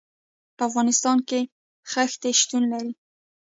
په افغانستان کې ښتې شتون لري.